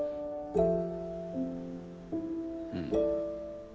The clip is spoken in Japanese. うん。